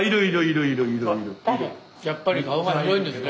やっぱり顔が広いんですね。